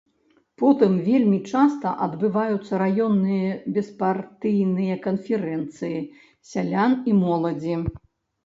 Потым вельмі часта адбываюцца раённыя беспартыйныя канферэнцыі сялян і моладзі.